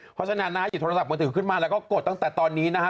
เพราะฉะนั้นนะหยิบโทรศัพท์มือถือขึ้นมาแล้วก็กดตั้งแต่ตอนนี้นะฮะ